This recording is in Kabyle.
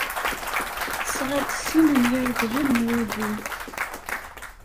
Tesɣa-d sin n yireḍlen n wudi.